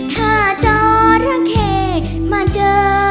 ถ้าเจ้าระเข้มาเจอ